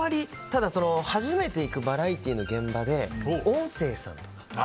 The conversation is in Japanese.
ただ、初めて行くバラエティーの現場で音声さん。